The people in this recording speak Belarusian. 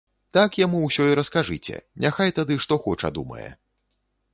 Так яму ўсё і раскажыце, няхай тады што хоча думае.